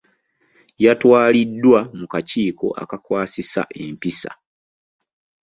Yatwaliddwa mu kakiiko akakwasisa empisa.